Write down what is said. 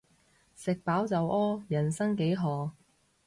食飽就屙，人生幾何